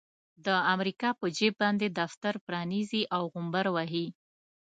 د امريکا په جيب باندې دفتر پرانيزي او غومبر وهي.